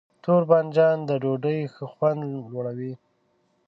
تور بانجان د ډوډۍ ښه خوند لوړوي.